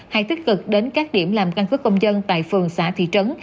hay tích cực đến các điểm làm căn cứ công dân tại phường xã thị trấn